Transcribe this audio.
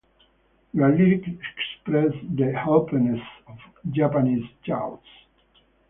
Their lyrics express the helplessness of Japanese youths.